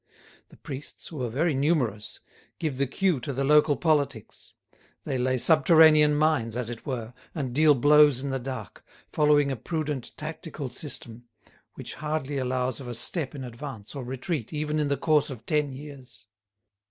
The priests, who are very numerous, give the cue to the local politics; they lay subterranean mines, as it were, and deal blows in the dark, following a prudent tactical system, which hardly allows of a step in advance or retreat even in the course of ten years.